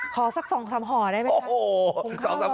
สัก๒๓ห่อได้ไหมครับ